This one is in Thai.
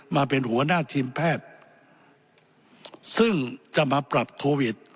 มาเป็นหัวหน้าทีมแพทย์ซึ่งจะมาปรับโควิด